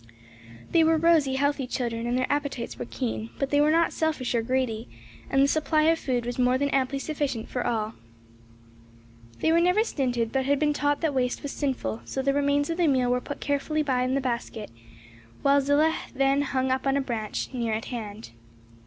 They were rosy, healthy children and their appetites were keen; but they were not selfish or greedy, and the supply of food was more than amply sufficient for all. They were never stinted but had been taught that waste was sinful; so the remains of the meal were put carefully by in the basket, which Zillah then hung up on a branch near at hand.